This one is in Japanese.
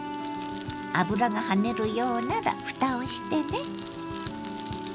油が跳ねるようならふたをしてね。